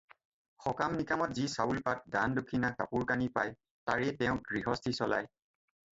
সকাম-নিকামত যি চাউল-পাত, দান-দক্ষিণা, কাপোৰ কানি পায় তাৰেই তেওঁ গৃহস্থী চলায়।